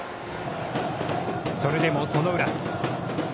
それでも、その裏。